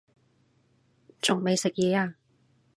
仲未食嘢呀